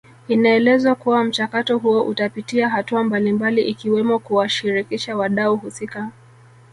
Inaelezwa kuwa mchakato huo utapitia hatua mbalimbali ikiwemo kuwashirikisha wadau husika